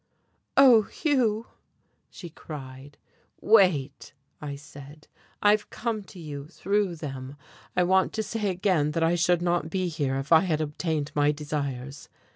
"Oh, Hugh!" she cried. "Wait," I said.... "I have come to you, through them. I want to say again that I should not be here if I had obtained my desires.